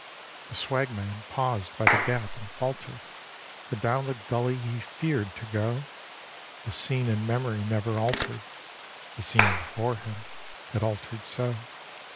The swagman paused by the gap and faltered, For down the gully he feared to go, The scene in memory never altered The scene before him had altered so.